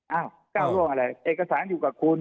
เอ้าเก้าร่วมอะไรเอกสารอยู่กับคุณ